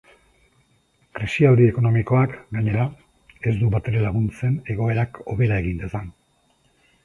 Krisialdi ekonomikoak, gainera, ez du batere laguntzen egoerak hobera egin dezan.